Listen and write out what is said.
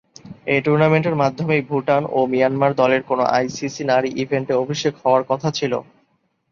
এ টুর্নামেন্টের মাধ্যমেই ভুটান ও মিয়ানমার দলের কোনও আইসিসি নারী ইভেন্টে অভিষেক হওয়ার কথা ছিল।